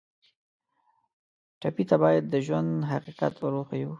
ټپي ته باید د ژوند حقیقت ور وښیو.